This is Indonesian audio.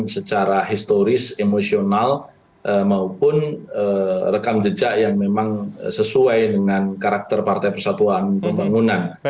secara historis emosional maupun rekam jejak yang memang sesuai dengan karakter partai persatuan pembangunan